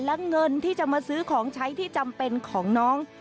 และเงินที่จะมาซื้อของใช้ที่จำเป็นของน้อง